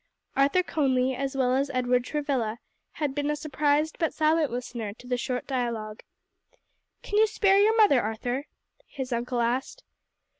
Arthur Conly as well as Edward Travilla had been a surprised but silent listener to the short dialogue. "Can you spare your mother, Arthur?" his uncle asked.